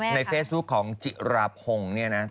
ในเฟซพรุกของจิราภง